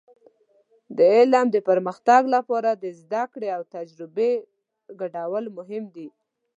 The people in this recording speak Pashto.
د علم د پرمختګ لپاره د زده کړې او تجربې ګډول مهم دي.